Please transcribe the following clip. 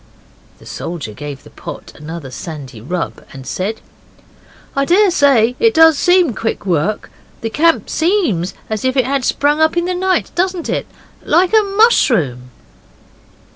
The soldier gave the pot another sandy rub, and said 'I daresay it does seem quick work the camp seems as if it had sprung up in the night, doesn't it? like a mushroom.